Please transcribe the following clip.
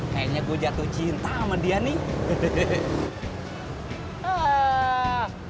kayaknya gue jatuh cinta sama dia nih